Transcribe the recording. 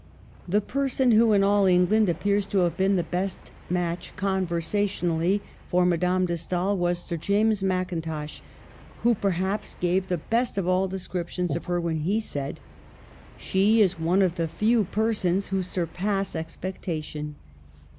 The person who in all England appears to have been the best match, conversationally, for Ma dame de Stael was Sir James Mackintosh, who, perhaps, gave the best of all descriptions of her when he said, " She is one of the few persons who surpass expectation.